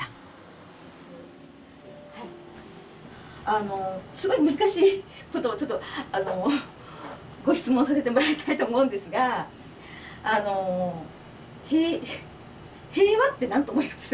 あのすごい難しいことをちょっとご質問させてもらいたいと思うんですがあの平和って何と思います？